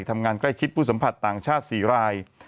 ทำงานใกล้ชิดผู้สัมผัสต่างชาติ๔ราย